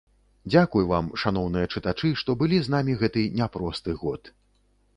Дзякуй вам, шаноўныя чытачы, што былі з намі гэты няпросты год!